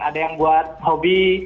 ada yang buat hobi